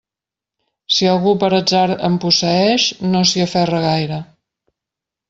Si algú per atzar en posseeix, no s'hi aferra gaire.